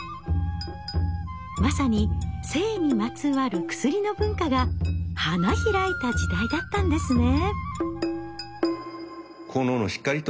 まさに性にまつわる薬の文化が花開いた時代だったんですね。